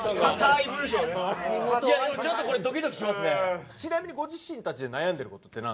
いやでもちょっとこれドキドキしますね。